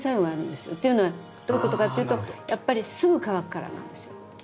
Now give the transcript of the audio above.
っていうのはどういうことかっていうとやっぱりすぐ乾くからなんですよ。